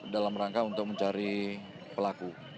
dalam rangka untuk mencari pelaku